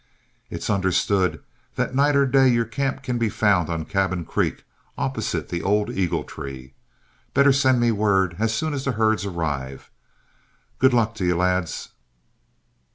It's understood that night or day your camp can be found on Cabin Creek, opposite the old eagle tree. Better send me word as soon as the herds arrive. Good luck to you, lads."